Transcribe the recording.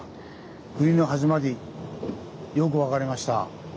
国のはじまりよく分かりました。